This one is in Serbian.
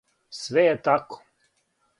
Све је тако.